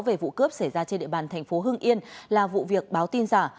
về vụ cướp xảy ra trên địa bàn tp hưng yên là vụ việc báo tin giả